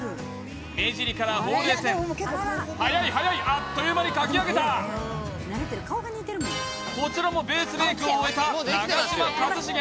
目尻からほうれい線はやいはやいあっという間に描き上げたこちらもベースメイクを終えた長嶋一茂